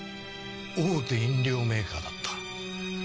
大手飲料メーカーだった。